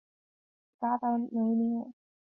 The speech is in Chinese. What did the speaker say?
嘎达梅林人。